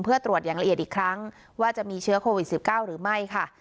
เพื่อตรวจอย่างละเอียดอีกครั้งว่าจะมีเชื้อโควิด๑๙หรือไม่ค่ะ